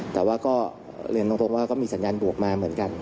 แต่ว่าก็เรียนตรงว่าก็มีสัญญาณบวกมาเหมือนกัน